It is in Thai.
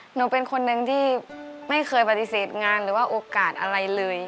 หนูเป็นคนหนึ่งที่ไม่เคยปฏิเสธงานหรือว่าโอกาสอะไรเลย